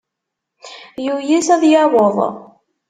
Yuyes ad yaweḍ.